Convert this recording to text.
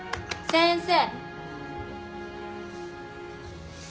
先生。